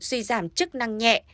suy giảm chức năng nhẹ